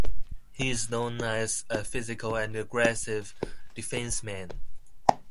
He is known as a physical and aggressive defenceman.